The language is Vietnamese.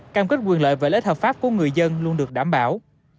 cam kết quyền lợi và ích hợp pháp của người dân luôn được đảm bảo